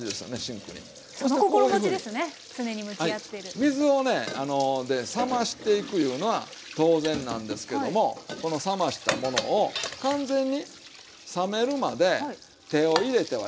はい水をね冷ましていくいうのは当然なんですけどもこの冷ましたものを完全に冷めるまで手を入れてはいけない。